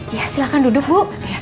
ya silahkan duduk bu